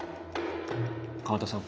河田さん